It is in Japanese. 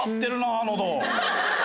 あのど。